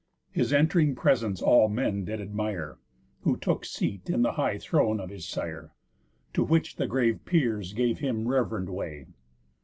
His ent'ring presence all men did admire; Who took seat in the high throne of his sire, To which the grave peers gave him rev'rend way.